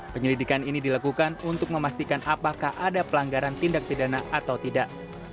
penyelidikan ini dilakukan untuk memastikan apakah ada pelanggaran tindak pidana atau tidak